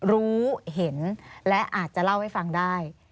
รู้เห็นและอาจจะเล่าให้ฟังได้